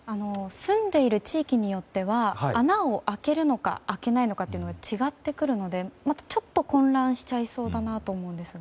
住んでいる地域によっては穴を開けるのか開けないのかというのが違ってくるのでちょっと混乱しちゃいそうだなと思うんですが。